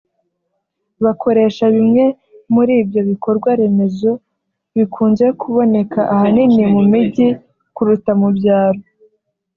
bakoresha bimwe muri ibyo bikorwa remezo bikunze kuboneka ahanini mu mijyi kuruta mu byaro